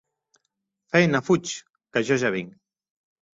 Feina fuig, que jo ja vinc.